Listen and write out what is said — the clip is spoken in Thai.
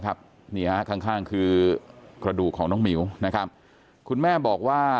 นี่ฮะข้างข้างคือกระดูกของน้องหมิวนะครับคุณแม่บอกว่า